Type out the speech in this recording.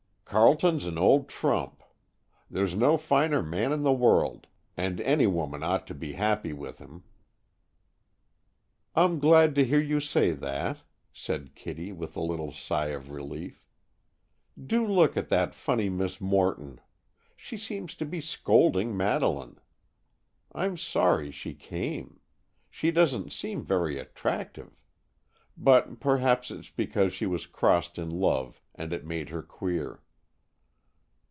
"Carleton's an old trump. There's no finer man in the world, and any woman ought to be happy with him." "I'm glad to hear you say that," said Kitty, with a little sigh of relief. "Do look at that funny Miss Morton! She seems to be scolding Madeleine. I'm sorry she came. She doesn't seem very attractive. But perhaps it's because she was crossed in love and it made her queer."